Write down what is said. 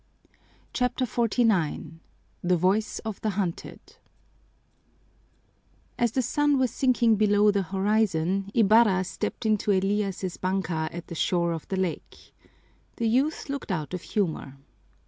CHAPTER XLIX The Voice of the Hunted As the sun was sinking below the horizon Ibarra stepped into Elias's banka at the shore of the lake. The youth looked out of humor.